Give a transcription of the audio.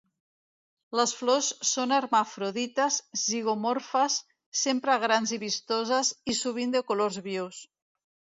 Les flors són hermafrodites, zigomorfes, sempre grans i vistoses, i sovint de colors vius.